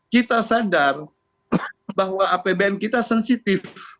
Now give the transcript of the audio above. kita sadar bahwa apbn kita sensitif